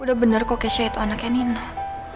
udah bener kok kesha itu anaknya nih noh